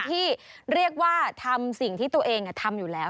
ที่เรียกว่าทำสิ่งที่ตัวเองทำอยู่แล้ว